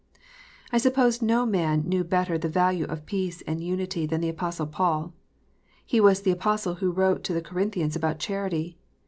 I suppose no man knew better the value of peace and unity than the Apostle Paul. He was the Apostle who wrote to the Corinthians about charity.